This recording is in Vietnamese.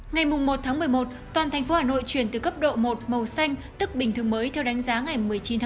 ngày một một mươi một toàn tp hà nội chuyển từ cấp độ một màu xanh tức bình thường mới theo đánh giá ngày một mươi chín một mươi